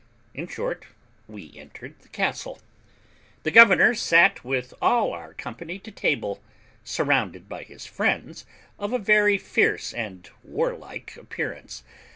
In short, we entered the castle. The governor sat with all our company to table, surrounded by his friends, of a very fierce and warlike appearance.